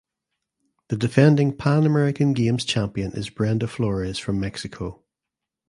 The defending Pan American Games champion is Brenda Flores from Mexico.